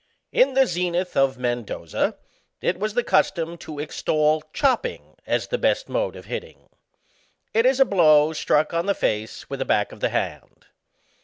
In the zenith of Mendoza, it was the custom to extol c/iopping, as the best mode of hitting. It is a blow struck on the face with the back of the hand.